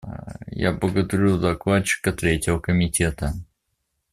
Я благодарю Докладчика Третьего комитета.